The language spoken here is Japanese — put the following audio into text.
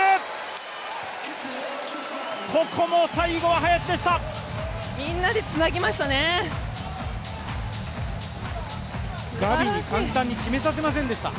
ここも最後は林でした。